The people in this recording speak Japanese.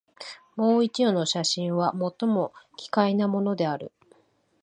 もう一葉の写真は、最も奇怪なものである